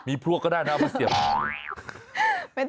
มีพวกก็ได้นะมันเสียบ